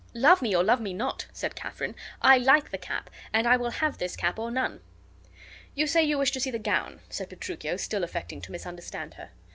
"Love me, or love me not," said Katharine, "I like the cap, and I will have this cap or none." "You say you wish to see the gown," said Petruchio, still affecting to misunderstand her.